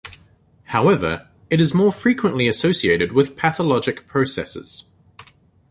However, it is more frequently associated with pathologic processes.